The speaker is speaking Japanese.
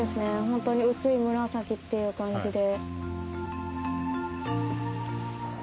ホントに薄い紫っていう感じで。